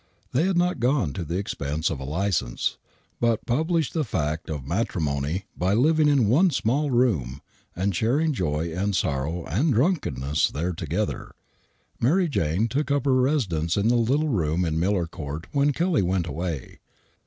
They had not gone to the expense of a license, but pub lished the fact of matrimon^ by living in one small room, and sharing joy and sorrow and drunkenness there together. Mary Jane took up her residence in the little room in Miller Court when Kelly went away.